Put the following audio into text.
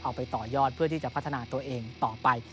ไปต่อยอดเพื่อที่จะพัฒนาตัวเองต่อไป